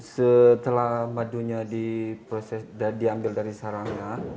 setelah madunya diambil dari sarangnya